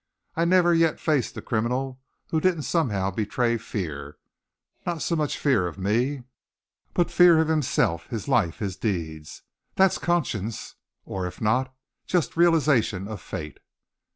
I never yet faced the criminal who didn't somehow betray fear not so much fear of me, but fear of himself his life, his deeds. That's conscience, or if not, just realization of fate."